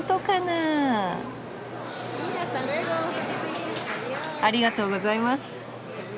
ありがとうございます。